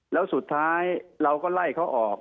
แล้วสุดท้ายเราก็ไล่เขาออก